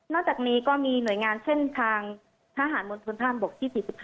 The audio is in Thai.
นอกจากนี้ก็มีหน่วยงานเช่นทางทหารมนตรภัณฑ์บกที่๔๕